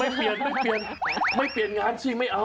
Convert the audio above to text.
ไม่เปลี่ยนไม่เปลี่ยนงานชีวิตไม่เอา